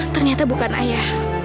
ternyata bukan ayah